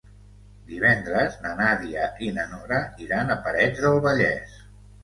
Divendres na Nàdia i na Nora iran a Parets del Vallès.